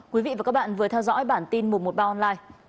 quý vị và các bạn vừa theo dõi bản tin một trăm một mươi ba online